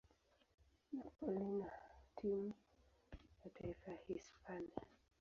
Napoli na timu ya taifa ya Hispania.